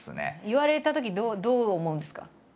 言われたときどう思うんですか？